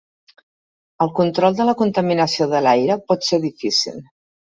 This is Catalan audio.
El control de la contaminació de l'aire pot ser difícil.